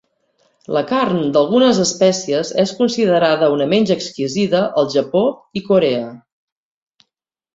La carn d'algunes espècies és considerada una menja exquisida al Japó i Corea.